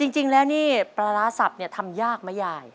จริงแล้วนี่ปลาร้าสับทำยากไหมยาย